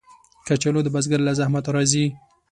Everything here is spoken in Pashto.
کچالو د بزګر له زحمته راځي